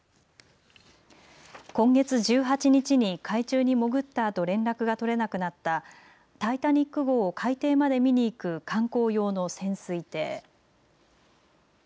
今月１８日に海底に潜ったあと連絡が取れなくなったタイタニック号を海底まで見に行く観光用の潜水艇。